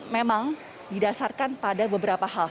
memang didasarkan pada beberapa hal